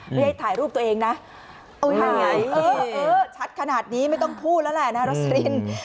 ไม่ให้ถ่ายรูปตัวเองนะชัดขนาดนี้ไม่ต้องพูดแล้วแหละนะรสลิน